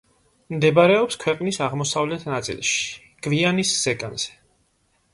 მდებარეობს ქვეყნის აღმოსავლეთ ნაწილში, გვიანის ზეგანზე.